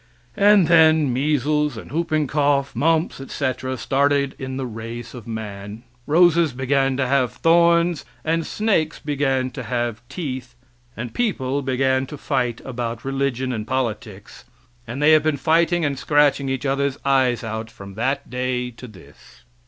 And then measles, and whooping cough, mumps, etc., started in the race of man, roses began to have thorns and snakes began to have teeth, and people began to fight about religion and politics, and they have been fighting and scratching each other's eyes out from that day to this.